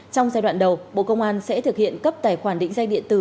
trong giai đoạn đầu bộ công an sẽ thực hiện cấp tài khoản định danh điện tử